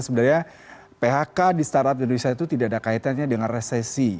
sebenarnya phk di startup indonesia itu tidak ada kaitannya dengan resesi